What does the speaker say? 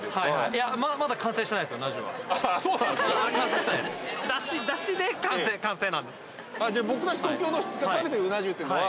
いや、まだまだ完成してないですよ、うな重は。